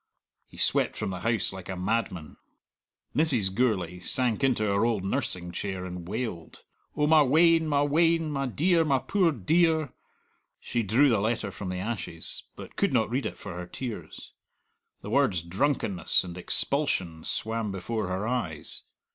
He swept from the house like a madman. Mrs. Gourlay sank into her old nursing chair and wailed, "Oh, my wean, my wean; my dear, my poor dear!" She drew the letter from the ashes, but could not read it for her tears. The words "drunkenness" and "expulsion" swam before her eyes.